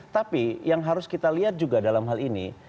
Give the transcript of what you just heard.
tapi yang harus kita lihat juga dalam hal ini